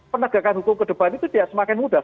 penegakan hukum kedepan itu tidak semakin mudah